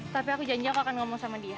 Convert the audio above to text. tapi aku janji aku akan ngomong sama dia